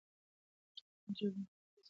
پښتو ژبه زموږ په هڅو ابادیږي.